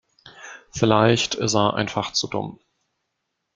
Vielleicht ist er einfach zu dumm.